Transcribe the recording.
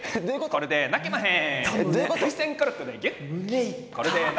これで泣けまへん！